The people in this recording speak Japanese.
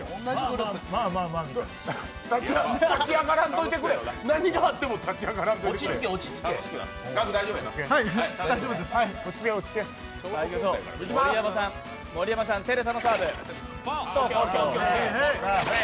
立ち上がらんといてくれ、何があっても立ち上がらんといてくれ。